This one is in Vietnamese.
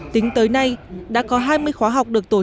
tính tới nay đã có hai mươi khóa học được tổ chức